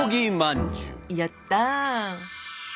やった！